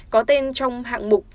có tên trong hạng mục